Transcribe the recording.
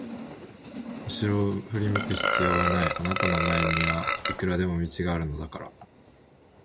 うしろを振り向く必要はない、あなたの前にはいくらでも道があるのだから。